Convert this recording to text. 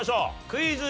クイズ。